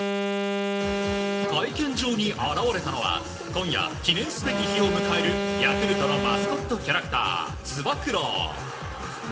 会見場に現れたのは今夜、記念すべき日を迎えるヤクルトのマスコットキャラクターつば九郎。